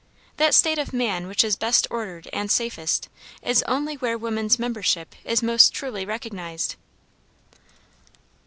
That state of man which is best ordered and safest, is only where woman's membership is most truly recognized.